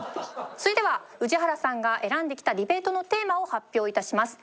それでは氏原さんが選んできたディベートのテーマを発表致します。